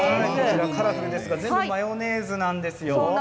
カラフルですが全部マヨネーズなんですよ。